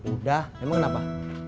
udah emang kenapa